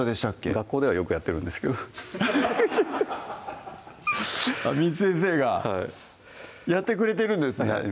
学校ではよくやってるんですけど簾先生がはいやってくれてるんですね